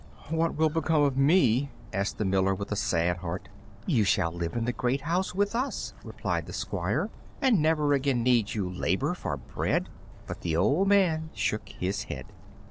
"What will become of me?" asked the miller, with a sad heart. "You shall live in the great house with us," replied the Squire, "and never again need you labor for bread." But the old man shook his head.